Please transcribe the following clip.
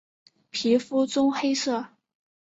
皮肤棕黑色。